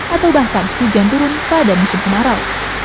atau bahkan hujan turun pada musim kemarau